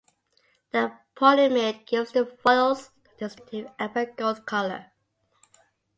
The polyimide gives the foils their distinctive amber-gold color.